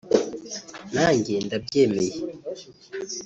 Nanjye ndabyemeye